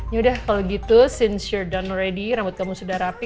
yaudah kalau begitu sejak kamu sudah siap rambut kamu sudah rapi